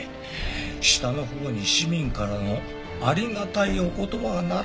下のほうに市民からのありがたいお言葉が並んどるよ